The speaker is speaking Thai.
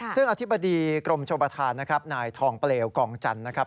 ซึ่งอธิบดีกรมชมประธานนะครับนายทองเปลวกองจันทร์นะครับ